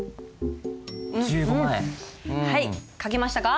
はい書けましたか？